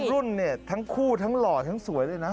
รุ่นเนี่ยทั้งคู่ทั้งหล่อทั้งสวยเลยนะ